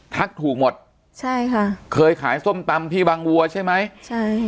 ถูกหมดใช่ค่ะเคยขายส้มตำที่บางวัวใช่ไหมใช่